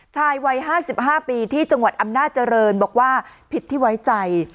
ชายวัย๕๕ปีที่จังหวัดอำนาจริงบอกว่าผิดที่ไว้ใจ